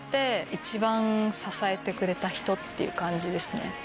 一番支えてくれた人っていう感じですね。